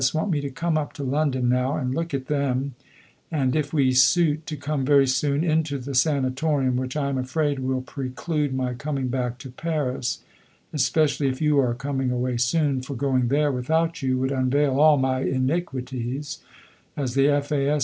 want me to come up to London now and look at them, and if we suit to come very soon into the Sanatorium, which, I am afraid, will preclude my coming back to Paris, especially if you are coming away soon, for going there without you would unveil all my iniquities, as the F.A.S.